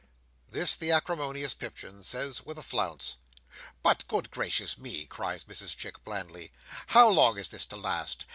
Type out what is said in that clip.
This the acrimonious Pipchin says with a flounce. "But good gracious me!" cries Mrs Chick blandly. "How long is this to last!